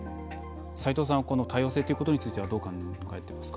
斎藤さんはこの多様性ということについてはどう考えていますか？